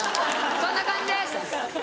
そんな感じです！